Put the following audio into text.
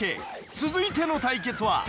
続いての対決は。